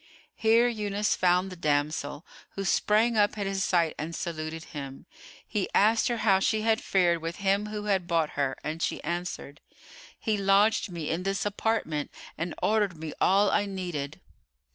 Here Yunus found the damsel, who sprang up at his sight and saluted him. He asked her how she had fared with him who had bought her and she answered, "He lodged me in this apartment and ordered me all I needed."